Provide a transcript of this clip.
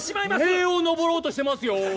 塀を登ろうとしてますよ！